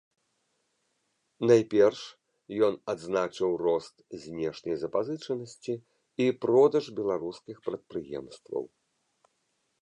Найперш ён адзначыў рост знешняй запазычанасці і продаж беларускіх прадпрыемстваў.